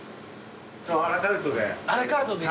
アラカルトで。